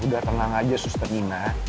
udah tenang aja suster nina